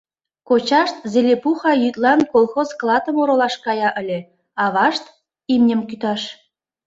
Кочашт Зелепуха йӱдлан колхоз клатым оролаш кая ыле, авашт — имньым кӱташ.